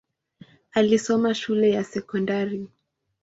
Alisoma shule ya sekondari.